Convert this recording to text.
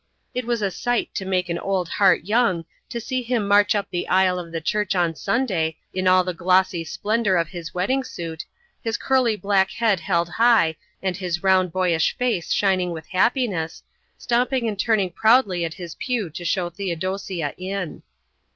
It was a sight to make an old heart young to see him march up the aisle of the church on Sunday in all the glossy splendour of his wedding suit, his curly black head held high and his round boyish face shining with happiness, stopping and turning proudly at his pew to show Theodosia in.